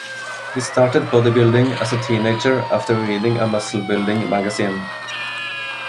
He started bodybuilding as a teenager after reading a muscle building magazine.